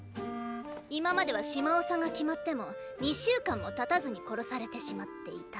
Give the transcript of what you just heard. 今までは島長が決まっても２週間もたたずに殺されてしまっていた。